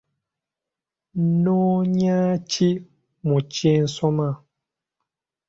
Nnoonya ki mu kye nsoma?